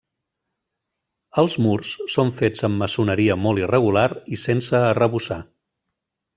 Els murs són fets amb maçoneria molt irregular i sense arrebossar.